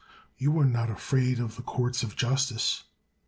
You are not afraid of the courts of justice.